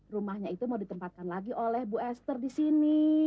rumahnya itu mau ditempatkan lagi oleh bu esther di sini